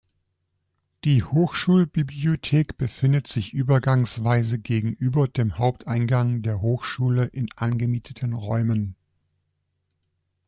Die Hochschulbibliothek befindet sich übergangsweise gegenüber dem Haupteingang der Hochschule in angemieteten Räumen.